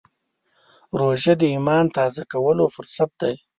روژه د ایمان تازه کولو فرصت دی.